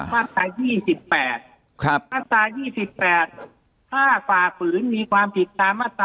ภาคตะอ่าฝ่าสืนมีความผิดตามภาคตะ๙๒๓